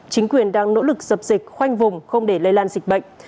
chính quyền đang nỗ lực dập dịch khoanh vùng không để lây lan dịch bệnh